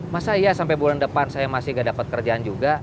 masa iya sampai bulan depan saya masih gak dapat kerjaan juga